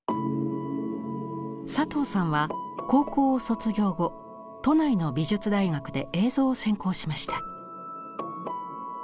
佐藤さんは高校を卒業後都内の美術大学で映像を専攻しました。